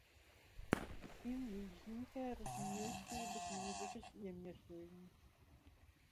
Pilnīgs ziņkāres, mīlestības, mūzikas iemiesojums.